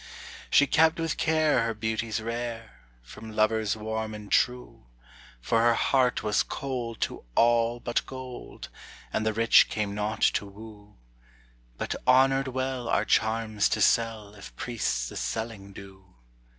She kept with care her beauties rare From lovers warm and true, For her heart was cold to all but gold, And the rich came not to woo, But honored well are charms to sell If priests the selling do.